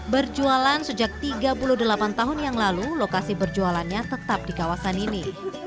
berjualan sejak tiga puluh delapan tahun yang lalu lokasi berjualannya tetap di kawasan ini